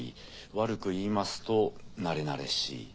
悪く言いますとなれなれしい。